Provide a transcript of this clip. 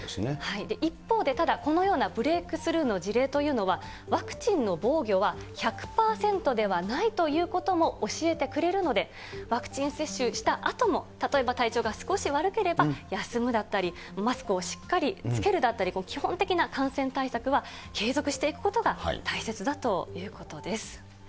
一方でただ、このようなブレイクスルーの事例というのは、ワクチンの防御は１００％ではないということも教えてくれるので、ワクチン接種したあとも例えば体調が少し悪ければ、休むだったり、マスクをしっかりつけるだったり、基本的な感染対策は継続していくことが大切だということです。